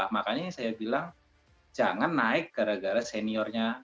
makanya saya bilang jangan naik gara gara seniornya